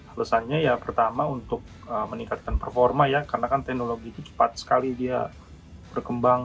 alasannya ya pertama untuk meningkatkan performa ya karena kan teknologi itu cepat sekali dia berkembang